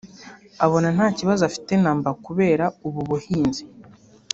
abona nta kibazo afike na mba kubera ubu buhinzi